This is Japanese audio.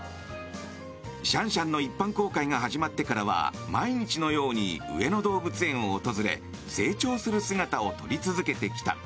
シャンシャンの一般公開が始まってからは毎日のように上野動物園を訪れて成長する姿を撮り続けてきた。